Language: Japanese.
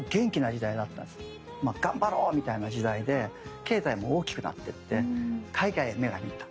まあ「頑張ろう！」みたいな時代で経済も大きくなってって海外に目が行った。